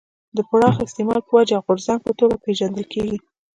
د پراخ استعمال په وجه غورځنګ په توګه پېژندل کېږي.